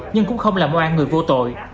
nhưng cũng không làm oan người vô tội